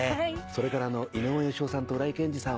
それから井上芳雄さんと浦井健治さん